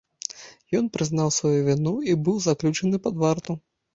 Ён прызнаў сваю віну і быў заключаны пад варту.